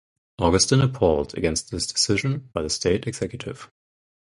Augustin appealed against this decision by the state executive.